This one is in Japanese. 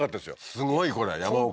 すごいこれ山奥